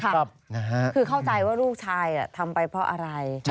คือเข้าใจว่าลูกชายทำไปเพราะอะไร